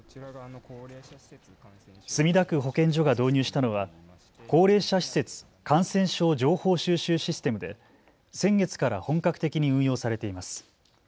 墨田区保健所が導入したのは高齢者施設感染症情報収集システムで先月から本格的に運用されています。